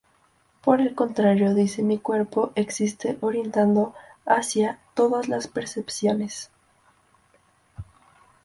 Por el contrario, dice: "mi cuerpo existe orientado hacia todas las percepciones".